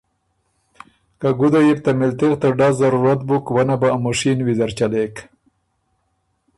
که ګُده يې بُو ته مِلتغ ته ډز ضرورت بُک وۀ نه بُو ا مُشین ویزر چلېک